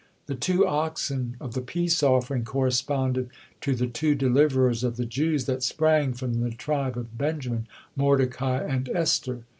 The two oxen of the peace offering corresponded to the two deliverers of the Jews that sprang from the tribe of Benjamin, Mordecai, and Esther.